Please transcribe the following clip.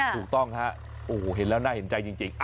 ถูกต้องฮะโอ้โหเห็นแล้วน่าเห็นใจจริง